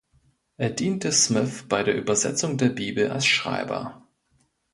Er diente Smith bei der Übersetzung der Bibel als Schreiber.